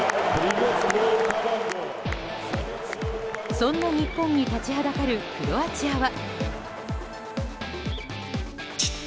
そんな日本に立ちはだかるクロアチアは。